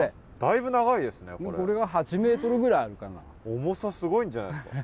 重さすごいんじゃないですか？